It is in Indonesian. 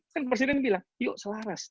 kan presiden bilang yuk selaras